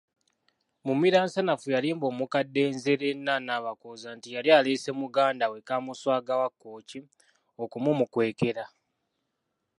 Mumiransanafu yalimba omukadde Nzereena Nabakooza nti yali aleese muganda we Kaamuswaga wa Kkooki okumumukwekera.